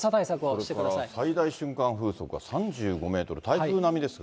それから最大瞬間風速が３５メートル、台風並みですが。